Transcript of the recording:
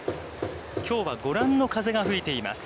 きょうはご覧の風が吹いています。